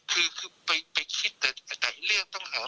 คือไปคิดแต่เรื่องต้องหา